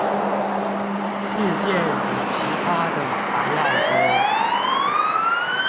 事件比其他的還要多